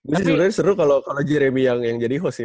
ini sebenernya seru kalau jeremy yang jadi host sih